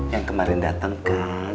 yang kemarin dateng kan